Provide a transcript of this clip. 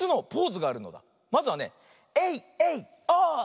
まずはねエイエイオー！